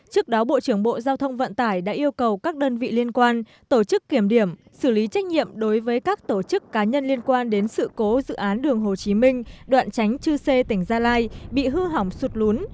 trước đó bộ trưởng bộ giao thông vận tải đã yêu cầu các đơn vị liên quan tổ chức kiểm điểm xử lý trách nhiệm đối với các tổ chức cá nhân liên quan đến sự cố dự án đường hồ chí minh đoạn tránh chư sê tỉnh gia lai bị hư hỏng sụt lún